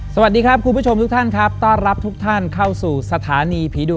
สวัสดีครับคุณผู้ชมทุกท่านครับต้อนรับทุกท่านเข้าสู่สถานีผีดุ